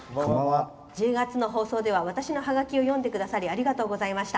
１０月の放送では私のはがきを読んでくださりありがとうございました。